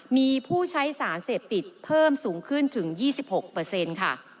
มีผู้ใช้สารเสพติดเพิ่มสูงขึ้นถึง๒๖ค่ะ